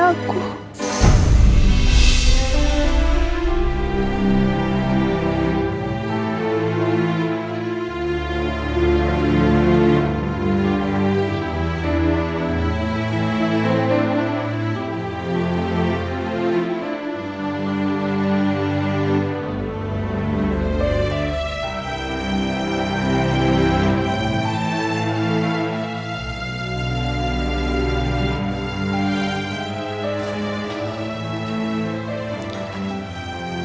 aku sudah mencintai kamu